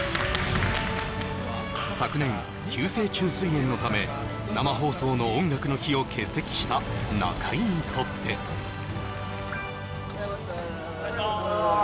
昨年急性虫垂炎のため生放送の「音楽の日」を欠席した中居にとってお願いします